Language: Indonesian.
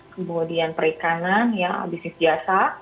kemudian perikanan ya bisnis jasa